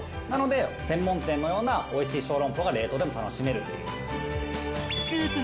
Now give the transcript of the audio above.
なので、専門店のようなおいしい小籠包が冷凍でも楽しめるっていう。